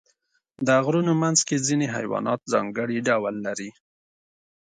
د غرونو منځ کې ځینې حیوانات ځانګړي ډول لري.